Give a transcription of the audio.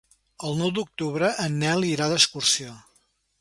El nou d'octubre en Nel irà d'excursió.